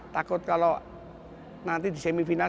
takut kalau nanti di semifinal